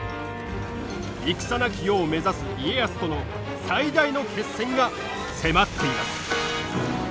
戦なき世を目指す家康との最大の決戦が迫っています。